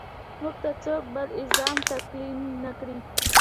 موږ ته څوک بل ایزم تلقین نه کړي.